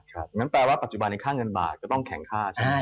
อย่างนั้นแปลว่าปัจจุบันในค่าเงินบาทก็ต้องแข็งค่าใช่มั้ยครับ